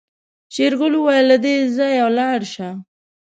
شېرګل وويل له دې ځايه لاړه شه.